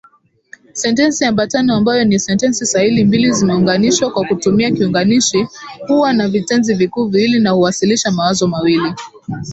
Sentensi ambatano ambayo ni sentensi sahili mbili zimeunganishwa kwa kutumia kiunganishi, huwa na vitenzi vikuu viwili na huwasilisha mawazo mawili.